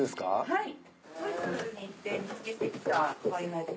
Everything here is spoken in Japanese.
はい。